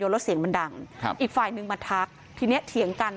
แล้วเสียงมันดังครับอีกฝ่ายหนึ่งมาทักทีเนี้ยเถียงกัน